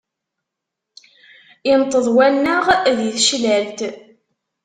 Inṭeḍ wanaɣ di teclalt.